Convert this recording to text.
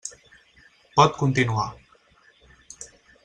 Pot continuar.